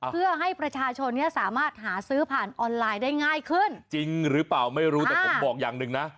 เพื่อให้ประชาชนเนี่ยสามารถหาซื้อผ่านออนไลน์ได้ง่ายขึ้นจริงหรือเปล่าไม่รู้แต่ผมบอกอย่างหนึ่งนะ